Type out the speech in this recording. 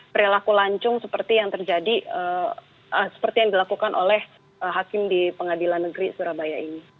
perilaku lancung seperti yang terjadi seperti yang dilakukan oleh hakim di pengadilan negeri surabaya ini